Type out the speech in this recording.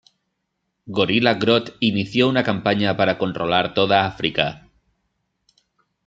Gorilla Grodd inició una campaña para controlar toda África.